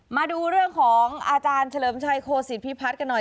มาดูเรื่องของอาจารย์เฉลิมชัยโคศิษฐพิพัฒน์กันหน่อย